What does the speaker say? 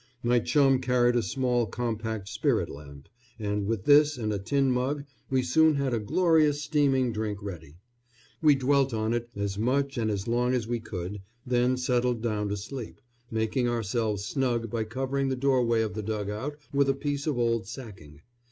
My chum carried a small, compact spirit lamp, and with this and a tin mug we soon had a glorious steaming drink ready. We dwelt on it as much and as long as we could, then settled down to sleep, making ourselves snug by covering the doorway of the dug out with a piece of old sacking.